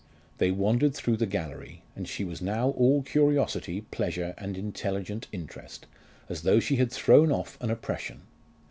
They wandered through the gallery, and she was now all curiosity, pleasure, and intelligent interest, as though she had thrown off an oppression.